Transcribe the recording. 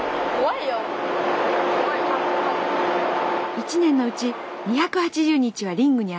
「１年のうち２８０日はリングに上がります。